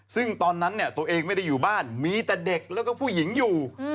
ซึ่งตอนนั้นตัวเองไม่ได้อยู่บ้านมีแต่เด็กแล้วก็ผู้หญิงอยู่